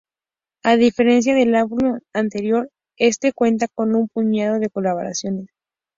A diferencia del álbum anterior, este cuenta con un puñado de colaboraciones.